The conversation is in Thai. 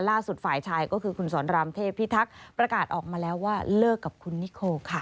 ฝ่ายชายก็คือคุณสอนรามเทพิทักษ์ประกาศออกมาแล้วว่าเลิกกับคุณนิโคค่ะ